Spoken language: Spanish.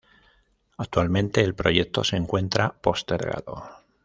Actualmente, el proyecto se encuentra postergado.